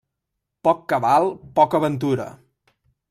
Poc cabal, poca ventura.